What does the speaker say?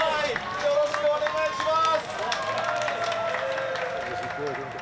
よろしくお願いします。